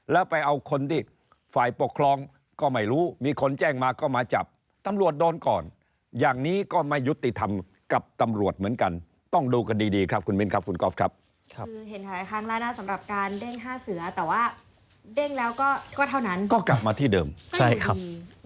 และไปเอาคนที่ฝ่ายปกครองก็ไม่รู้มีคนแจ้งมาก็มาจับตำรวจโดนก่อนอย่างนี้ก็ไม่ยุติธรรมกับตำรวจเหมือนกันต้องดูกันดีครับขุนมิมครับ